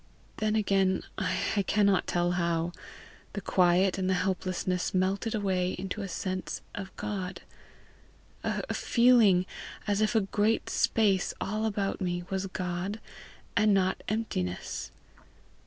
Then again, I cannot tell how, the quiet and the helplessness melted away into a sense of God a feeling as if great space all about me was God and not emptiness.